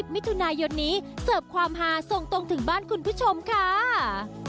มิถุนายนนี้เสิร์ฟความฮาส่งตรงถึงบ้านคุณผู้ชมค่ะ